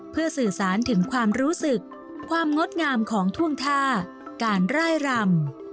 เพื่อสื่อสารถึงความรู้สึกความงดงามของท่วงท่าการร่ายรำ